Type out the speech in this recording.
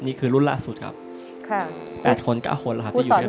นี่คือรุ่นล่าสุดครับ๘คน๙คนครับที่อยู่นี่มา